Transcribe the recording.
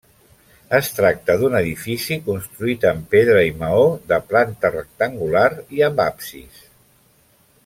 Es tracta d'un edifici construït amb pedra i maó, de planta rectangular i amb absis.